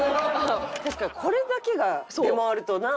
確かにこれだけが出回るとな。